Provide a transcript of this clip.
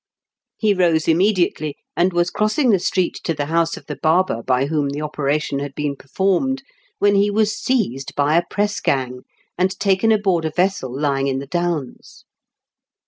He rose imme diately, and was crossing the street to the house of the barber by whom the operation had been performed, when he was seized by a press gang, and taken aboard a vessel lying in the Downs.